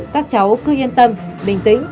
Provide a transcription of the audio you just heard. các cháu cứ yên tâm bình tĩnh